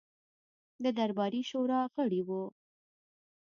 د درباري شورا غړی وو.